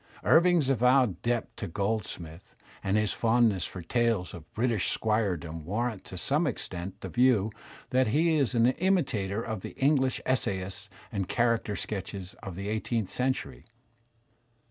Irving's avowed debt to Goldsmith and his fondness for tales of British squiredom warrant to some extent the view that he is an imitator of the English essayists and character sketchers of the eighteenth century.